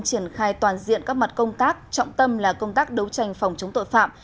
triển khai toàn diện các mặt công tác trọng tâm là công tác đấu tranh phòng chống tội phạm